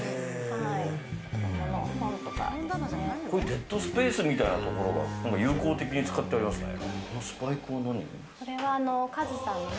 デッドスペースみたいなところを有効的に使ってますね。